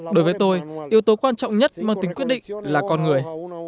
đối với tôi yếu tố quan trọng nhất mang tính quyết định là con người